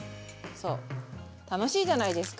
そう楽しいじゃないですか。